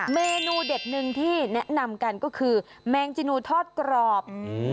เมนูเด็ดหนึ่งที่แนะนำกันก็คือแมงจินูทอดกรอบ